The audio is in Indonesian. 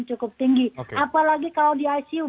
cukup tinggi apalagi kalau di icu